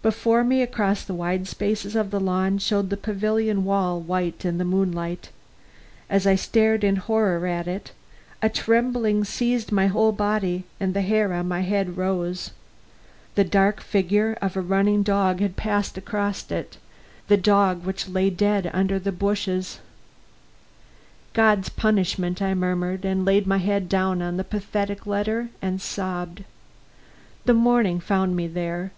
Before me, across the wide spaces of the lawn, shone the pavilion wall, white in the moonlight As I stared in horror at it, a trembling seized my whole body, and the hair on my head rose. The dark figure of a running dog had passed across it the dog which lay dead under the bushes. "God's punishment," I murmured, and laid my head down on that pathetic letter and sobbed. The morning found me there.